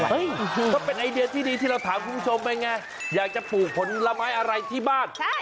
ก็เป็นไอเดียที่ดีที่เราถามคุณผู้ชมเป็นไงอยากจะปลูกผลไม้อะไรที่บ้าน